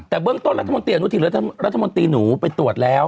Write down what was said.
แต่เบื้องต้นรัฐมนตรีอนุทินรัฐมนตรีหนูไปตรวจแล้ว